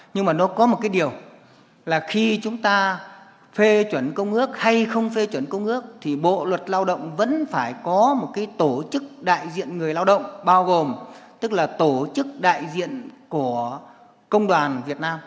nhưng mà nó có một cái điều là khi chúng ta phê chuẩn công ước hay không phê chuẩn công ước thì bộ luật lao động vẫn phải có một cái tổ chức đại diện người lao động bao gồm tức là tổ chức đại diện của công đoàn việt nam